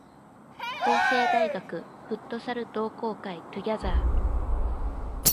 法政大学フットサル同好会 together